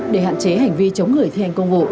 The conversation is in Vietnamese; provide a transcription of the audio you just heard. để hạn chế hành vi chống người thi hành công vụ